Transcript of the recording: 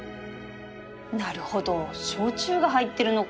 なるほど焼酎が入ってるのか